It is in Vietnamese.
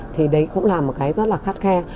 thì đấy cũng là một cái rất là khắt khe